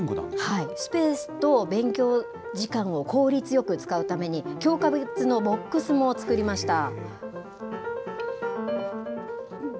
スペースと勉強時間を効率よく使うために、教科別のボックスも作りました。